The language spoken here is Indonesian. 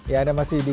ya anda masih di